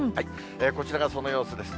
こちらがその様子です。